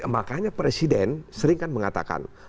makanya presiden sering kan mengatakan